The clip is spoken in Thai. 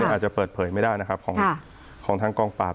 อาจจะเปิดเผยไม่ได้นะครับของทางกองปราบ